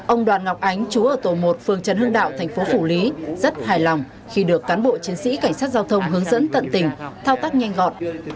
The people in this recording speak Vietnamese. ông đoàn ngọc ánh chú ở tổ một phương trần hưng đạo thành phố phủ lý rất hài lòng khi được cán bộ chiến sĩ cảnh sát giao thông hướng dẫn tận tình thao tác nhanh gọn